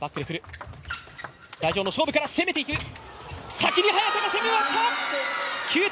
先に早田が攻めました！